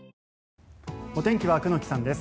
お天気は久能木さんです。